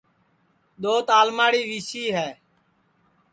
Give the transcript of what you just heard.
دؔوت آلماڑی وی سی ہے